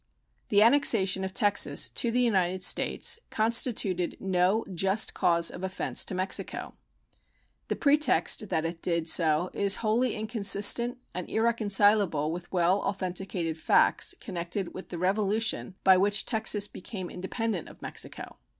The annexation of Texas to the United States constituted no just cause of offense to Mexico. The pretext that it did so is wholly inconsistent and irreconcilable with well authenticated facts connected with the revolution by which Texas became independent of Mexico.